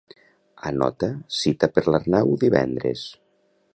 Anota "cita per l'Arnau" divendres.